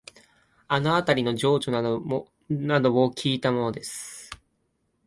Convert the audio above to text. あのあたりの情緒などをきいたものです